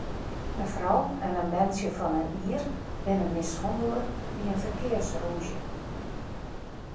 In frou en in berntsje fan in jier binne mishannele by in ferkearsrûzje.